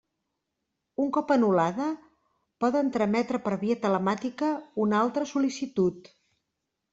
Un cop anul·lada, poden trametre per via telemàtica una altra sol·licitud.